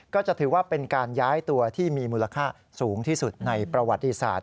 ก็จะถือว่าเป็นการย้ายตัวที่มีมูลค่าสูงที่สุดในประวัติศาสต